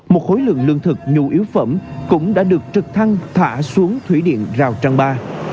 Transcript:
một khối lượng lương thực nhu yếu phẩm cũng đã được trực thăng thả xuống thủy điện rào trăng ba